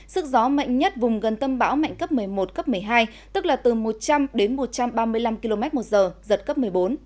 sức gió mạnh nhất vùng gần tâm bão mạnh cấp một mươi một cấp một mươi hai tức là từ một trăm linh đến một trăm ba mươi năm km một giờ giật cấp một mươi bốn